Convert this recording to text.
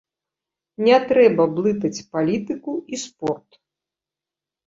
Не трэба блытаць палітыку і спорт.